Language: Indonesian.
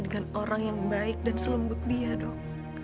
dengan orang yang baik dan selembut dia dok